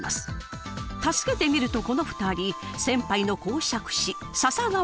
助けてみるとこの２人先輩の講釈師笹川